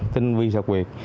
tinh vi sạc quyệt